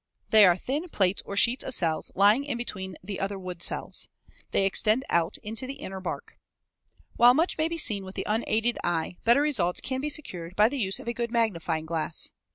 They are thin plates or sheets of cells lying in between the other wood cells. They extend out into the inner bark. While much may be seen with the unaided eye, better results can be secured by the use of a good magnifying glass.